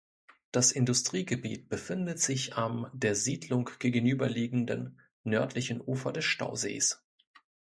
Das Industriegebiet befindet sich am der Siedlung gegenüber liegenden, nördlichen Ufer des Stausees.